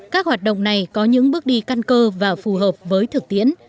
các hoạt động này có những bước đi căn cơ và phù hợp với thực tiễn